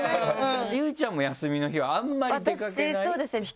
結実ちゃんも休みの日はあんまり出かけない？